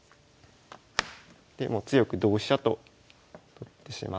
で強く同飛車と取ってしまって。